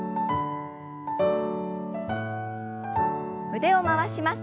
腕を回します。